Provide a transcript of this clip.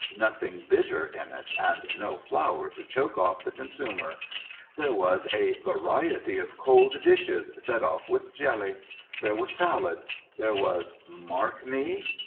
nothing bitter in it, and no flour to choke off the consumer ; there was a variety of cold dishes set off with jelly ; there was salad ; there was^mark me